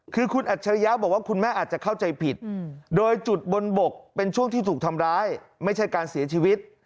คือคุณอัจฉริยะบอกว่าคุณแม่อาจจะเข้าใจผิดโดยจุดบนบกเป็นช่วงที่ถูกทำร้ายไม่ใช่การเสียชีวิต